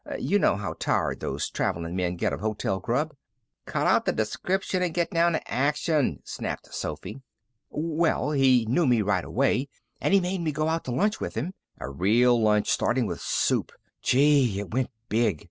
You know how tired those traveling men get of hotel grub." "Cut out the description and get down to action," snapped Sophy. "Well, he knew me right away. And he made me go out to lunch with him. A real lunch, starting with soup. Gee! It went big.